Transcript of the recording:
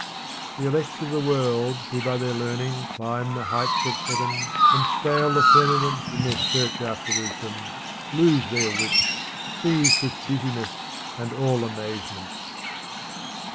The elect of the world, who by their learning climb the heights of heaven, and scale the firmament in their search after wisdom, lose their wits, seized with dizziness and all amaze ment.